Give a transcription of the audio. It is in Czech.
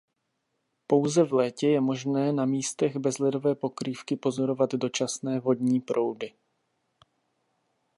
Pouze v létě je možné na místech bez ledové pokrývky pozorovat dočasné vodní proudy.